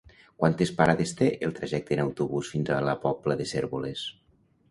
Quantes parades té el trajecte en autobús fins a la Pobla de Cérvoles?